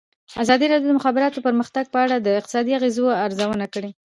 ازادي راډیو د د مخابراتو پرمختګ په اړه د اقتصادي اغېزو ارزونه کړې.